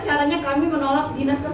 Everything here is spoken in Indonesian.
caranya kami menolak dinas kesehatan